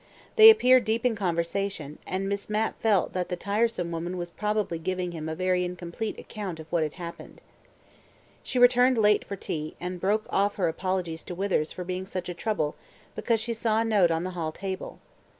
They appeared deep in conversation, and Miss Mapp felt that the tiresome woman was probably giving him a very incomplete account of what had happened. She returned late for tea, and broke off her apologies to Withers for being such a trouble because she saw a note on the hall table.